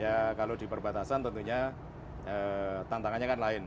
ya kalau di perbatasan tentunya tantangannya kan lain